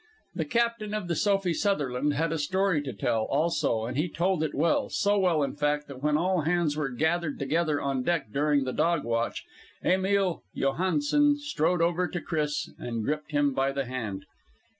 The captain of the Sophie Sutherland had a story to tell, also, and he told it well so well, in fact, that when all hands were gathered together on deck during the dog watch, Emil Johansen strode over to Chris and gripped him by the hand.